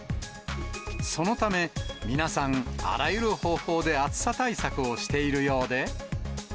そのため、皆さん、あらゆる方法で暑さ対策をしているようで。